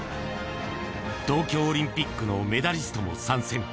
東京オリンピックのメダリストも参戦。